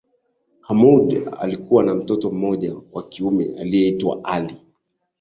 Hamoud alikuwa na mtoto mmoja wa kiume aliyekiitwa Ali